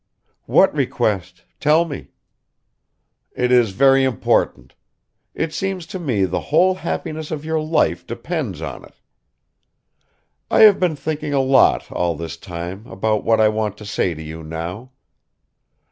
"What request, tell me." "It is very important; it seems to me the whole happiness of your life depends on it. I have been thinking a lot all this time about what I want to say to you now